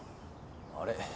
あれ？